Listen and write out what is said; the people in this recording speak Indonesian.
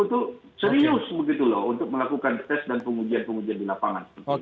untuk melakukan tes dan pengujian pengujian di lapangan